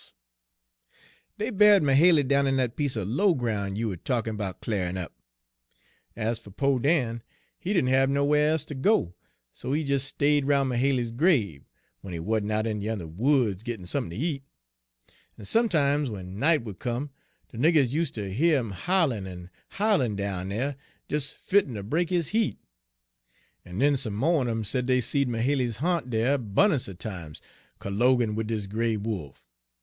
"Dey buried Mahaly down in dat piece er low groun' you er talkie' 'bout cl'arin up. Ez fer po' Dan, he didn' hab nowhar e'se ter go, so he des stayed roun' Mahaly's grabe, w'en he wa'n't out in de ynther woods gittin' sump'n ter eat. En sometimes, w'en night Page 192 would come, de niggers useter heah him howlin' en howlin' down dere, des fittin' ter break his hea't. En den some mo' un 'em said dey seed Mahaly's ha'nt dere 'bun'ance er times, colloguin' wid dis gray wolf.